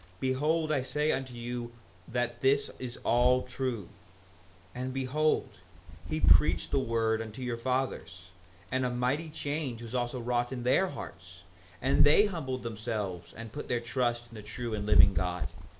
Behold I say unto you that this is all true. 5:13 And behold, he preached the word unto your fathers, and a mighty change was also wrought in their hearts, and they humbled themselves and put their trust in the true and living God.